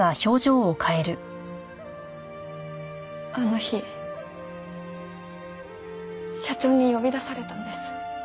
あの日社長に呼び出されたんです。